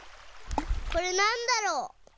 これなんだろう？